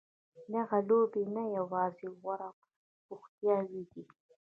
دغه لوبې نه یوازې غوره بوختیاوې دي.